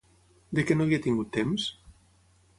De què no havia tingut temps?